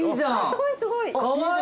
すごいすごい。